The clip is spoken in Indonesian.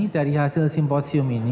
dari hasil simposium ini